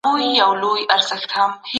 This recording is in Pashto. شنې پاڼې د وینې فشار کموي.